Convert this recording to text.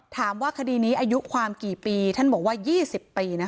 ถามว่าคดีนี้อายุความกี่ปีท่านบอกว่า๒๐ปีนะคะ